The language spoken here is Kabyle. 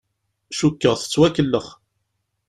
Cukkeɣ tettwakellex.